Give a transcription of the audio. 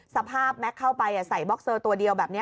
แม็กซ์เข้าไปใส่บ็อกเซอร์ตัวเดียวแบบนี้